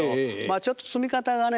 あちょっと積み方がね